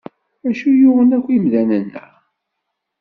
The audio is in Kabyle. Acu yuɣen akk imdanen-a?